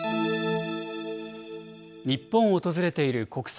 日本を訪れている国際